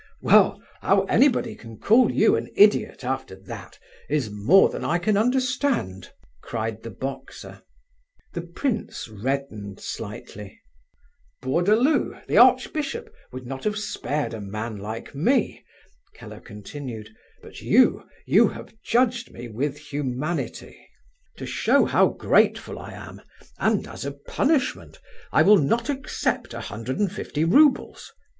"Well, how anybody can call you an idiot after that, is more than I can understand!" cried the boxer. The prince reddened slightly. "Bourdaloue, the archbishop, would not have spared a man like me," Keller continued, "but you, you have judged me with humanity. To show how grateful I am, and as a punishment, I will not accept a hundred and fifty roubles.